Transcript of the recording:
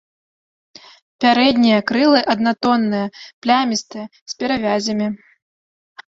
Пярэднія крылы аднатонныя, плямістыя, з перавязямі.